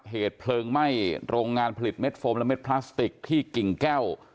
เหตุเพลิงไหม้โรงงานผลิตเม็ดโฟมและเม็ดพลาสติกที่กิ่งแก้ว